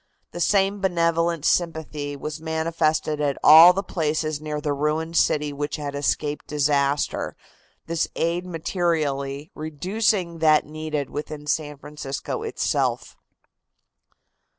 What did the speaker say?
The same benevolent sympathy was manifested at all the places near the ruined city which had escaped disaster, this aid materially reducing that needed within San Francisco itself.